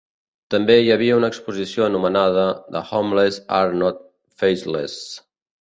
També hi havia una exposició anomenada "The Homeless are not Faceless".